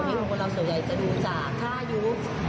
วันนี้ของเราส่วนใหญ่จะดูจากท่ายุทธ์